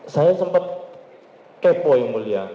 saya sempat kepo yang mulia